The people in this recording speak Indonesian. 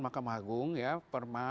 mahkamah agung perma